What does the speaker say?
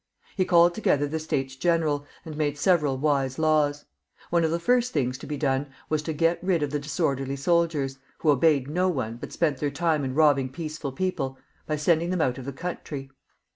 He called together the States General, and made several wise laws. One of the first things to be done was to get rid of the disorderly soldiers who obeyed no one, but spent their time in robbing peaceful people, and to send them out of the country.